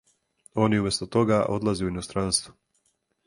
Они уместо тога одлазе у иностранство.